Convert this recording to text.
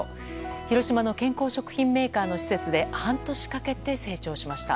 広島の健康食品メーカーの施設で半年かけて成長しました。